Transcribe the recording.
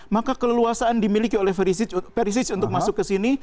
maka keleluasaan dimiliki oleh perisic untuk masuk ke sini